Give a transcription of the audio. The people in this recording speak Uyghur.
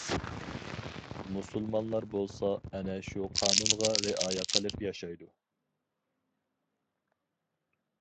مۇسۇلمانلار بولسا ئەنە شۇ قانۇنغا رىئايە قىلىپ ياشايدۇ.